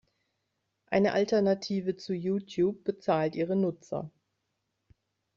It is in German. Eine Alternative zu YouTube bezahlt Ihre Nutzer.